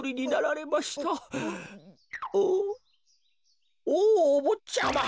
おぉおぼっちゃま！